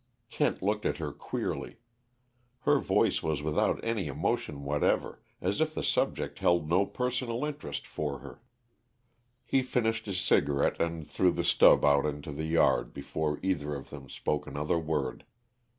Kent looked at her queerly. Her voice was without any emotion whatever, as if the subject held no personal interest for her. He finished his cigarette and threw the stub out into the yard before either of them spoke another word.